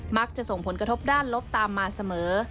จะส่งผลกระทบด้านลบตามมาเสมอ